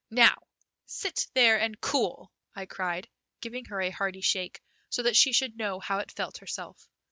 "Now, sit there and cool," I cried, giving her a hearty shake, so that she should know how it felt herself.